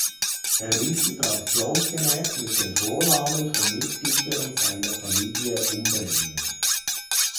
Er ließ sie traditionsgemäß mit den Vornamen von Mitgliedern seiner Familie umbenennen.